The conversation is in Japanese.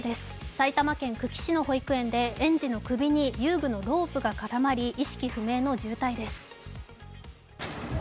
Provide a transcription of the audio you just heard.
埼玉県久喜市の保育園で園児の首に遊具のロープが絡まり意識不明の重体です。